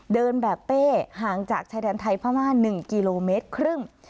เดินแบบเป้ห่างจากชายแดนไทยพม่า๑กิโลเมตรครึ่ง